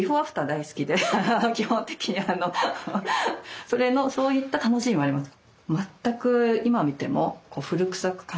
大好きで基本的にそういった楽しみもあります。